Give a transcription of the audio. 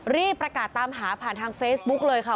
รีบประกาศตามหาผ่านทางเฟซบุ๊กเลยค่ะ